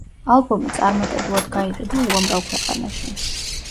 ალბომი წარმატებულად გაიყიდა უამრავ ქვეყანაში.